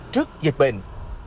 trước dịch bệnh